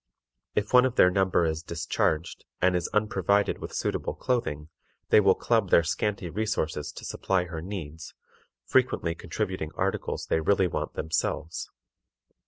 If one of their number is discharged, and is unprovided with suitable clothing, they will club their scanty resources to supply her needs, frequently contributing articles they really want themselves.